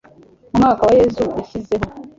Mu mwaka wa Yesu yashyizeho